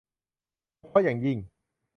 เฉพาะอย่างยิ่ง